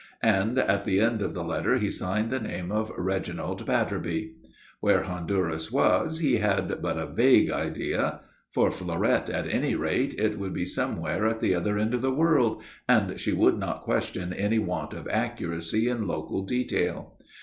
And at the end of the letter he signed the name of Reginald Batterby. Where Honduras was, he had but a vague idea. For Fleurette, at any rate, it would be somewhere at the other end of the world, and she would not question any want of accuracy in local detail.